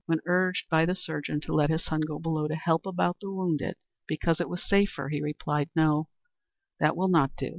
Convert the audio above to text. When urged by the surgeon to let his son go below to help about the wounded, because it was safer, he replied, "No; that will not do.